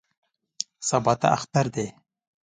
سبا ته اختر دی.